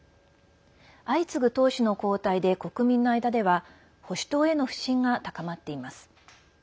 相次ぐ党首の交代で国民の間では保守党への不信が高まっています。